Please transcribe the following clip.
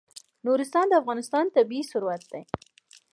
نورستان د افغانستان طبعي ثروت دی.